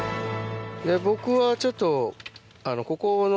僕はちょっと。